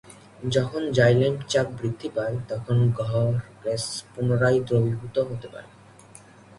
যখন জাইলেম চাপ বৃদ্ধি পায়, তখন গহ্বর গ্যাস পুনরায় দ্রবীভূত হতে পারে।